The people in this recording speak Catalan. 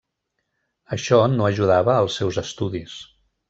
Això no ajudava als seus estudis.